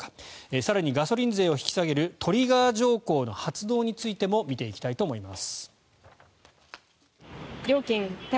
更にガソリン税を引き下げるトリガー条項の発動についても見ていきたいと思います。